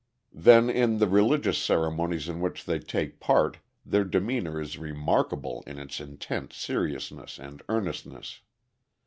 ] Then in the religious ceremonies in which they take part, their demeanor is remarkable in its intent seriousness and earnestness.